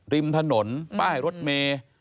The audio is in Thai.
ริมถนนป้ายรถเมย์